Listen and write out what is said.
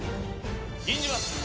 吟じます。